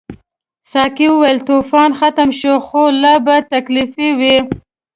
ساقي وویل طوفان ختم شو خو لار به تکلیفي وي.